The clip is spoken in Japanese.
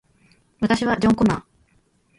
私はジョン・コナー